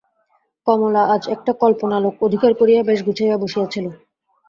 কমলা আজ একটা কল্পনালোক অধিকার করিয়া বেশ গুছাইয়া বসিয়া ছিল।